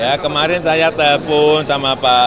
ya kemarin saya telpon sama pak